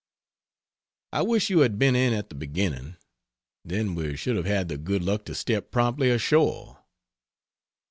I wish you had been in at the beginning. Then we should have had the good luck to step promptly ashore.